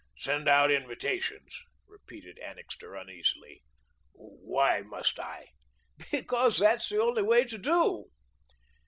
"Send out invitations?" repeated Annixter uneasily. "Why must I?" "Because that's the only way to do."